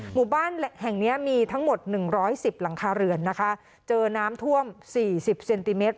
หมู่บ้านแห่งเนี้ยมีทั้งหมดหนึ่งร้อยสิบหลังคาเรือนนะคะเจอน้ำท่วมสี่สิบเซนติเมตร